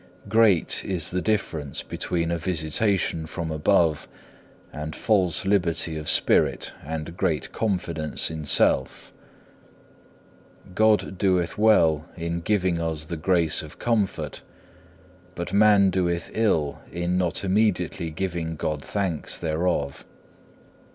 Great is the difference between a visitation from above and false liberty of spirit and great confidence in self. God doeth well in giving us the grace of comfort, but man doeth ill in not immediately giving God thanks thereof.